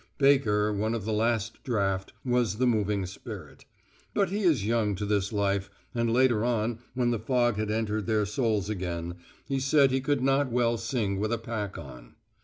Baker, one of the last draft, was the moving spirit. But he is young to this life, and later on, when the fog had entered their souls again, he said he could not well sing with a pack on.